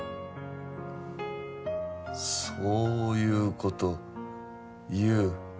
そういう事言う？